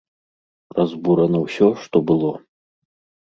Разбурана ўсё, што было.